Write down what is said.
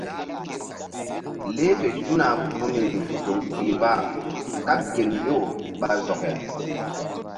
Leh fe tuna gunri toŋ ɗih mba kaɓ gel mbew ɓa zɔke.